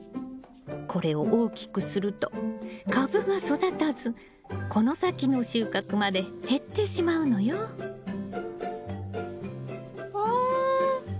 これを大きくすると株が育たずこの先の収穫まで減ってしまうのよ。わ！